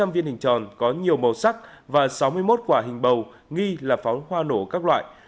một bốn trăm linh viên hình tròn có nhiều màu sắc và sáu mươi một quả hình bầu nghi là pháo hoa nổ các loại